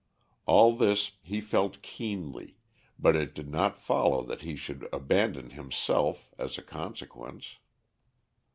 All this he felt keenly, but it did not follow that he should abandon himself, as a consequence.